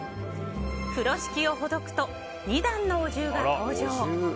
風呂敷をほどくと２段のお重が登場。